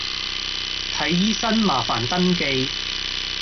睇醫生麻煩登記